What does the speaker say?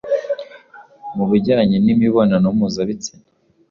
mu bujyanye n’imibonano mpuzabitsina